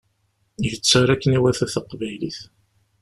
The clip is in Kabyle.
Yettaru akken iwata taqbaylit